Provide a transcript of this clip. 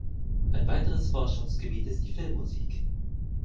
Ein weiteres Forschungsgebiet ist die Filmmusik.